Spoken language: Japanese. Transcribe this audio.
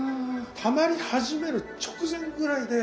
たまり始める直前ぐらいで包んじゃう。